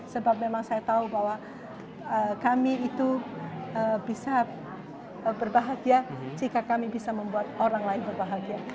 sebab memang saya tahu bahwa kami itu bisa berbahagia jika kami bisa membuat orang lain berbahagia